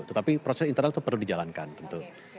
tetapi proses internal itu perlu dijalankan tentu